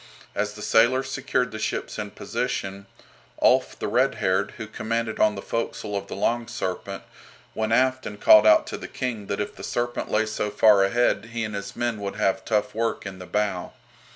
As the sailors secured the ships in position, Ulf the Red haired, who commanded on the forecastle of the "Long Serpent," went aft and called out to the King that if the "Serpent" lay so far ahead he and his men would have tough work in the bow.